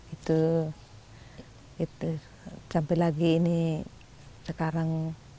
itu sampai lagi ini sekarang